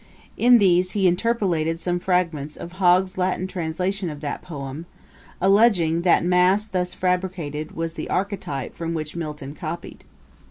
In these he interpolated some fragments of Hog's Latin translation of that poem, alledging that the mass thus fabricated was the archetype from which Milton copied.